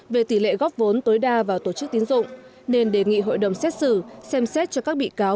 về tỷ lệ góp vốn tối đa vào tổ chức tín dụng nên đề nghị hội đồng xét xử xem xét cho các bị cáo